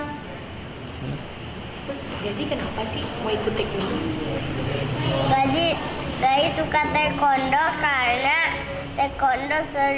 gazi kenapa sih mau ikut taekwondo